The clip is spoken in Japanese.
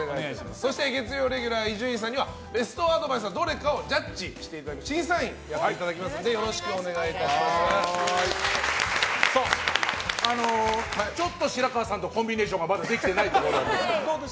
そして、月曜レギュラー伊集院さんにはベストアドバイスをジャッジしていただく審査員をやっていただくのでちょっと白河さんとコンビネーションがまだできてないところなんで。